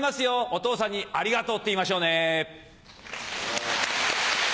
お父さんに「ありがとう」って言いましょうね。